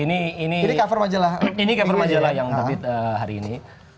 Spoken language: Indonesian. ini cover majalah yang terbit hari ini